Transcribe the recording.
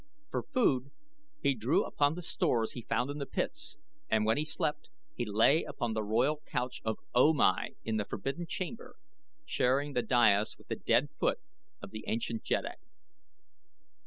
For food he drew upon the stores he found in the pits and when he slept he lay upon the royal couch of O Mai in the forbidden chamber sharing the dais with the dead foot of the ancient jeddak.